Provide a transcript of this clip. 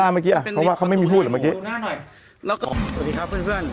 เพราะว่าเขาไม่มีพูดเหรอเมื่อกี้สวัสดีครับเพื่อนเพื่อน